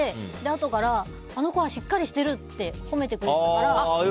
あとからあの子はしっかりしてるって褒めてくれたから。